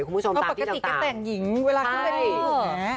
คุณผู้ชมตามนี่ต่างเพราะปกติแกแต่งหญิงเวลาดายผู้ชมด้วย